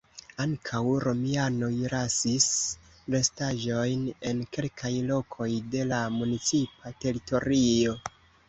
Ankaŭ romianoj lasis restaĵojn en kelkaj lokoj de la municipa teritorio.